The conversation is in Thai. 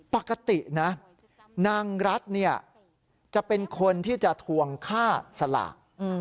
ปกตินะนางรัฐจะเป็นคนที่จะทวงค่าสลาก